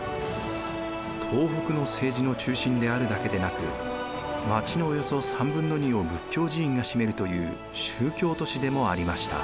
東北の政治の中心であるだけでなく町のおよそ３分の２を仏教寺院が占めるという宗教都市でもありました。